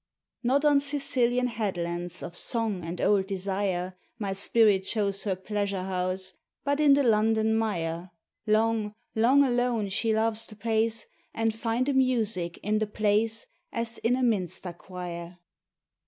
Not on Sicilian headlands of song and old desire, My spirit chose her pleasure house, but in the London mire: Long, long alone she loves to pace, And find a music in the place As in a minster choir.